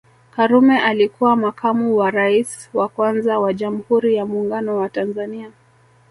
Karume alikuwa makamu wa rais wa kwanza wa Jamhuri ya Muungano wa Tanzania